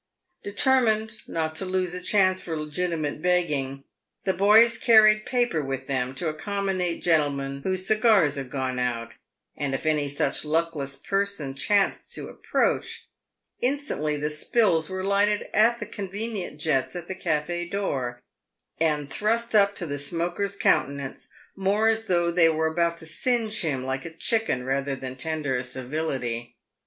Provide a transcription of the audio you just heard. Determined not to lose a chance for legitimate begging, the boys carried paper with them to accommodate gentlemen whose cigars had gone out ; and if any such luckless person chanced to approach, instantly the "spills" were lighted at the convenient jets at the cafe door, and thrust up to the smoker's countenance, more as though they were about to singe him like a chicken than tender a civility.